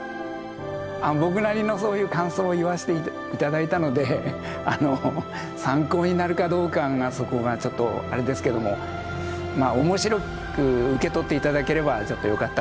僕なりのそういう感想を言わせて頂いたので参考になるかどうかがそこがちょっとあれですけれども面白く受け取って頂ければちょっとよかったかなとはい。